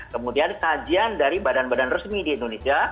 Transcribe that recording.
kemudian kajian dari badan badan resmi di indonesia